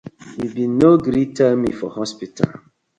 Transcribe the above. Yu been no gree tell me for hospital.